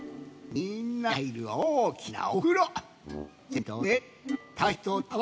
みんなではいるおおきなおふろ。